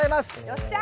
よっしゃ！